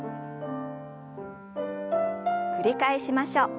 繰り返しましょう。